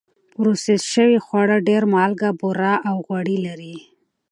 پروسس شوي خواړه ډېر مالګه، بوره او غوړي لري.